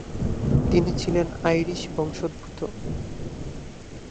তিনি ছিলেন আইরিশ বংশোদ্ভূত।